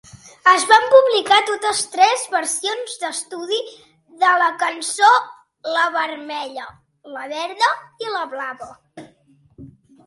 Es van publicar totes tres versions d'estudi de la cançó: la vermella, la verda i la blava.